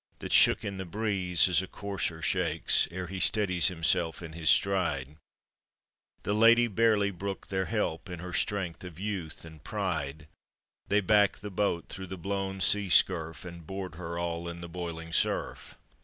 That shook in the breeze as a courser tbaktt Ere he steadies himself in bis stride; The lady barely brooked their help. In her strength of youth and pride; They back the boat through the blown tea scurf And board her all in the boiling surf.